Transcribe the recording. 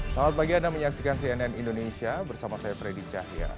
selamat pagi anda menyaksikan cnn indonesia bersama saya freddy cahya